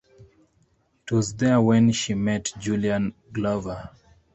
It was there when she met Julian Glover.